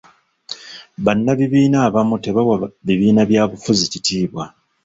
Bannabibiina abamu tebawa bibiina bya bufuzi kitiibwa.